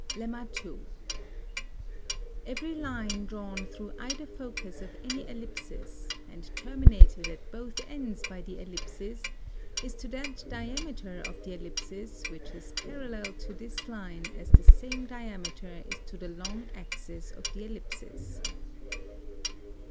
Lemma. 2. Every line drawn through either Focus of any Ellipsis & terminated at both ends by the Ellipsis is to that diameter of the Ellipsis which is parallel to this line as the same Diameter is to the long Axis of the Ellipsis.